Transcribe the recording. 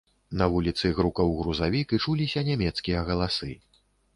На вуліцы грукаў грузавік і чуліся нямецкія галасы.